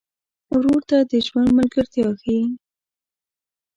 ورور ته د ژوند ملګرتیا ښيي.